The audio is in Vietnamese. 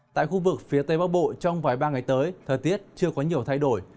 tại khu vực phía tây bắc bộ trong vài ba ngày tới thời tiết chưa có nhiều thay đổi